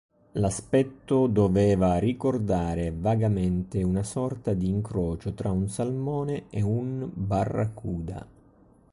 L'aspetto doveva ricordare vagamente una sorta di incrocio tra un salmone e un barracuda.